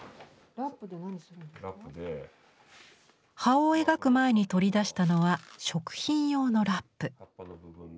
葉を描く前に取り出したのは食品用のラップ。